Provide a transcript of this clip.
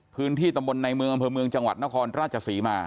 พื้นที่ตำบลในเมืองอำเภอเมืองจังหวัดนครราชศรีมา